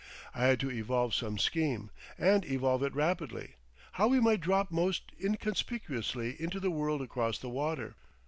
I had to evolve some scheme, and evolve it rapidly, how we might drop most inconspicuously into the world across the water.